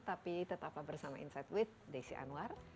tapi tetaplah bersama insight with desi anwar